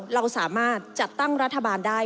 เราสามารถจัดตั้งรัฐบาลได้